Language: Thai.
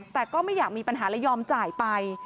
แต่ก็ไม่อยากมีปัญหาและยอมจ่ายไป